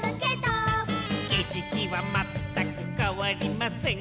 「けしきはまったくかわりません」